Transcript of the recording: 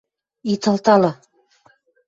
Ит алталы.